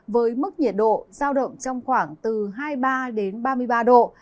với mức nhiệt độ giao động trong khoảng từ hai mươi ba đến ba mươi ba độ